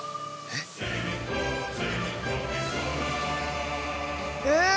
えっ？え？